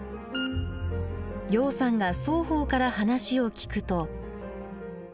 楊さんが双方から話を聞くと。